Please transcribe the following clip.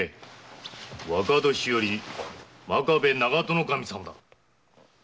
若年寄の真壁長門守様だ。